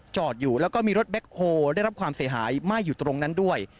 จอดอยู่แล้วก็มีรถแบ็คโฮได้รับความเสียหายไหม้อยู่ตรงนั้นด้วย